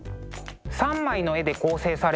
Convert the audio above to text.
３枚の絵で構成されている